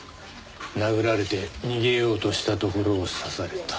殴られて逃げようとしたところを刺された。